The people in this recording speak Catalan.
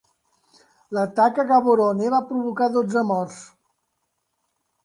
L'atac a Gaborone va provocar dotze morts.